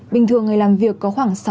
bình thường người làm việc có khoảng